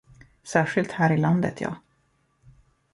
Särskilt här i landet ja.